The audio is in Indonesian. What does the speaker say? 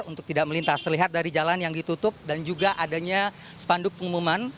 untuk tidak melintas terlihat dari jalan yang ditutup dan juga adanya spanduk pengumuman